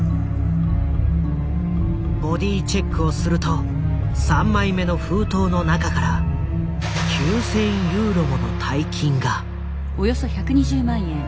ボディーチェックをすると３枚目の封筒の中から９，０００ユーロもの大金が。